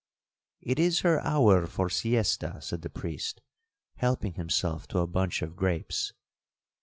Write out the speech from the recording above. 'It is her hour for siesta,' said the priest, helping himself to a bunch of grapes.